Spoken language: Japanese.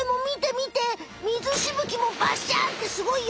みずしぶきもバッシャンってすごいよ！